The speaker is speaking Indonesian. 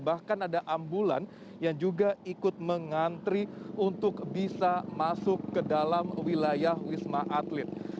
bahkan ada ambulan yang juga ikut mengantri untuk bisa masuk ke dalam wilayah wisma atlet